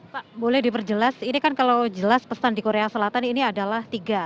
pak boleh diperjelas ini kan kalau jelas pesan di korea selatan ini adalah tiga